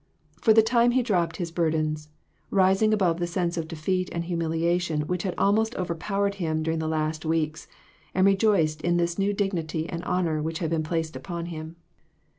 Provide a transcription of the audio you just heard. For the time he dropped his bur dens, rising above the sense of defeat and humil iation which had almost overpowered him during the last few weeks, and lejoiced in this new dig nity and honor which had been placed upon him.